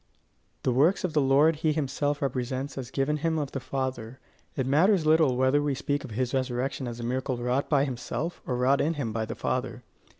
The works of the Lord he himself represents as given him of the Father: it matters little whether we speak of his resurrection as a miracle wrought by himself, or wrought in him by the Father.